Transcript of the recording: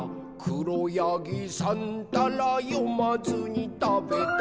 「しろやぎさんたらよまずにたべた」